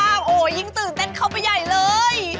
โอ้โหยิ่งตื่นเต้นเข้าไปใหญ่เลย